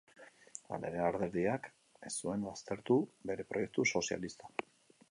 Hala ere, alderdiak ez zuen baztertu bere proiektu sozialista.